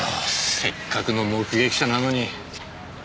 せっかくの目撃者なのに。